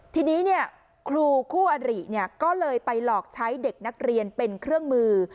ทีนี้ครูคู่อริก็เลยไปหลอกใช้เด็กนักเรียนเป็นเครื่องมือ